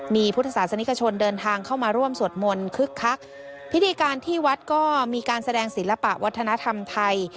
มีพุทธศาสนิกชนเดินทางเข้ามาร่วมสวดมนต์คึกคักพิธีการที่วัดก็มีการแสดงศิลปะวัฒนธรรมไทย